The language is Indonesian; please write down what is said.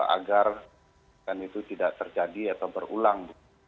agar itu tidak terjadi atau berulang